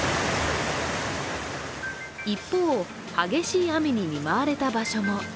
一方、激しい雨に見舞われた場所も。